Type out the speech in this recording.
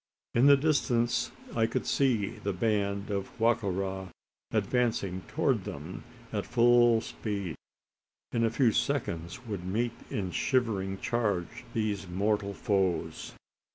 In the distance, I could see the band of Wa ka ra advancing towards them at full speed. In a few seconds would meet in shivering charge these mortal foes.